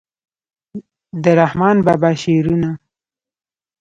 د رحمان بابا شعرونه